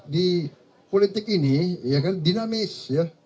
di politik ini ya kan dinamis